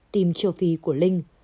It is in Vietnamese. tìm châu phi của linh